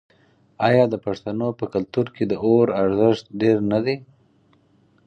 آیا د پښتنو په کلتور کې د اور ارزښت ډیر نه دی؟